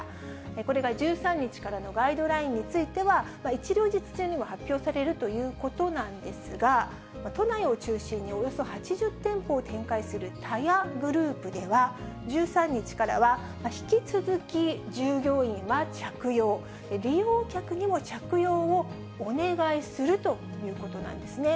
これが１３日からのガイドラインについては、一両日中にも発表されるということなんですが、都内を中心におよそ８０店舗を展開するタヤグループでは、１３日からは、引き続き従業員は着用、利用客にも着用をお願いするということなんですね。